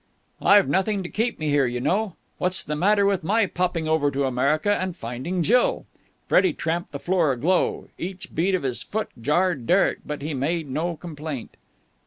"I've nothing to keep me here, you know. What's the matter with my popping over to America and finding Jill?" Freddie tramped the floor, aglow. Each beat of his foot jarred Derek, but he made no complaint.